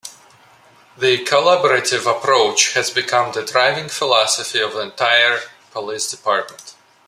The collaborative approach has become the driving philosophy of the entire police department.